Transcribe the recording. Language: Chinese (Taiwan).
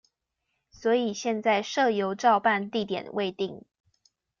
所以現在社遊照辦地點未定